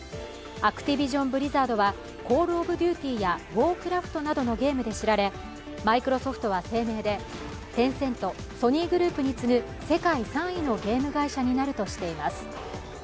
アクティビジョン・ブリザードは「コール・オブ・デューティー」や「ウォークラフト」などのゲームで知られ、マイクロソフトは声明で、テンセント、ソニーグループに次ぐ世界３位のゲーム会社になるとしています。